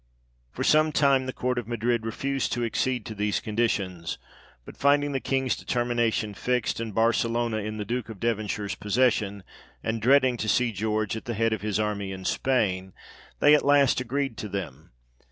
For some time the Court of Madrid refused to accede to these conditions, but finding the King's deter mination fixed, and Barcelona in the Duke of Devon shire's possession, and dreading to see George at the head of his army in Spain, they at last agreed to them.